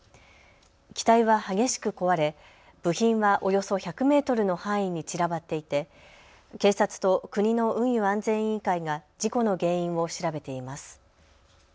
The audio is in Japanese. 機体は激しく壊れ部品はおよそ１００メートルの範囲に散らばっていて警察と国の運輸安全委員会が事故の原因を調べています。